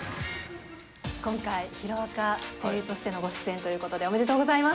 今回、ヒロアカ、声優としてのご出演ということでおめでとうございます。